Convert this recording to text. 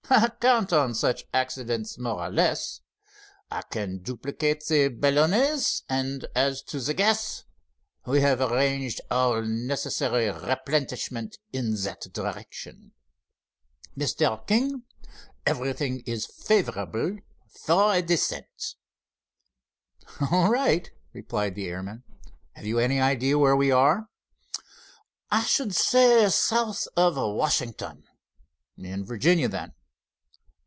I count on such accidents, more or less. I can duplicate the balloonets, and as to the gas—we have arranged for all necessary replenishment in that direction. Mr. King, everything is favorable for a descent." "All right," replied the airman. "Have you any idea where we are?" "I should say, south of Washington." "In Virginia, then?"